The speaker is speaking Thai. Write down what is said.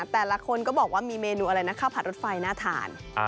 แต่ละคนก็บอกว่ามีเมนูอะไรนะข้าวผัดรถไฟน่าทาน